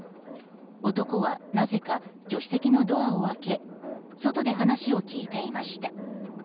男はなぜか助手席のドアを開け外で話を聞いていました。